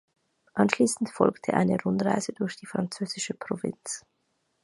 Anschließend folgte eine Rundreise durch die französische Provinz.